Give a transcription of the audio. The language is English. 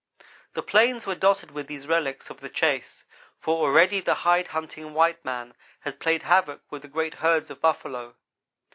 The plains were dotted with these relics of the chase, for already the hide hunting white man had played havoc with the great herds of buffalo.